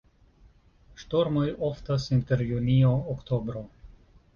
Ŝtormoj oftas inter junio-oktobro.